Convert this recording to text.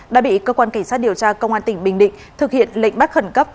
đã bị cơ quan cảnh sát điều tra công an tỉnh bình định thực hiện lệnh bắt khẩn cấp